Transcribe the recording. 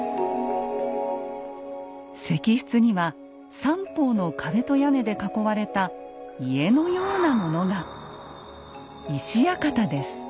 石室には三方の壁と屋根で囲われた家のようなものが。